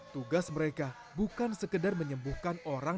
tugas mereka bukan sekedar menyembuhkan orang